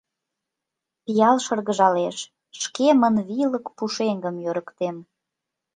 Пиал шыргыжалеш — шкемын вийлык пушеҥгым йӧрыктем.